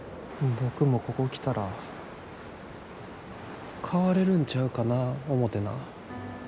僕も、ここ来たら変われるんちゃうかな思てな。